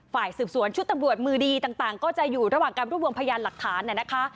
ฝ่ายสืบสวนชุดตำรวจมือดีต่างก็จะอยู่ระหว่างการรวบรวมพยานหลักฐานนะคะ